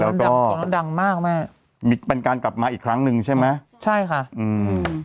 แล้วดังแล้วดังมากแม่เป็นการกลับมาอีกครั้งหนึ่งใช่ไหมใช่ค่ะอืม